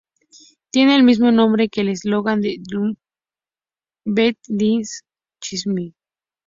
Tiene el mismo nombre que el eslogan de DuPont "Better Living Through Chemistry".